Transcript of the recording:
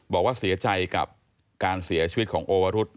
บอกว่าเสียใจกับการเสียชีวิตของโอวรุษ